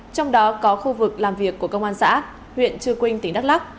trong đó có khu vực làm việc của công an xã huyện trư quynh tỉnh đắk lắc